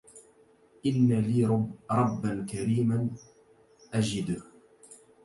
إن لي ربا كريما أجده